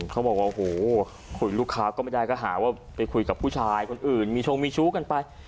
เขาบอกว่าโอ้โหคุยลูกค้าก็ไม่ได้ก็หาว่าไปคุยกับผู้ชายคนอื่นมีชงมีชู้กันไป